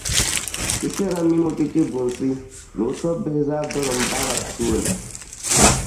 Sisɛra mini o chɛchɛbunsi ni o tɔbbihi zaa birim Barak tooni.